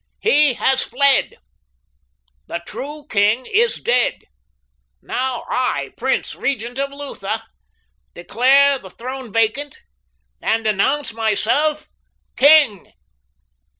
He has fled. The true king is dead. Now I, Prince Regent of Lutha, declare the throne vacant, and announce myself king!"